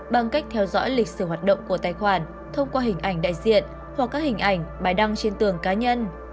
bằng cách theo dõi lịch sử hoạt động của tài khoản thông qua hình ảnh đại diện hoặc các hình ảnh bài đăng trên tường cá nhân